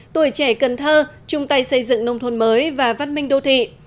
tuổi trẻ cần thơ chung tay xây dựng nông thôn mới và văn minh đô thị